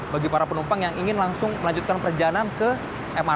bagi para penumpang yang ingin langsung melanjutkan perjalanan ke mrt